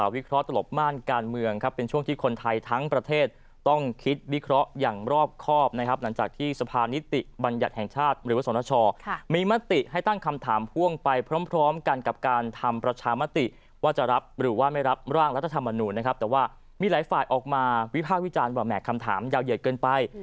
วิภาควิจารณ์บำแหนกคำถามยาวเหยียดเกินไป